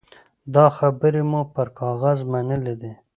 دا خبرې مو پر کاغذ منلي دي.